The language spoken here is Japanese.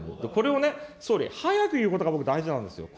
これを総理、早く言うことが僕、大事なんですよ。